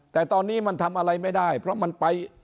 แต่ตอนนี้มันทำอะไรไม่ได้เพราะมันไป